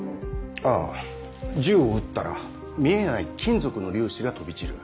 あぁ銃を撃ったら見えない金属の粒子が飛び散る。